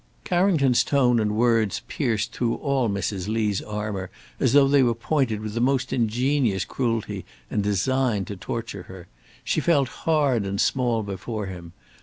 Carrington's tone and words pierced through all Mrs. Lee's armour as though they were pointed with the most ingenious cruelty, and designed to torture her. She felt hard and small before him.